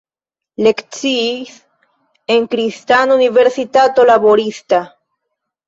Lekciis en Kristana Universitato Laborista.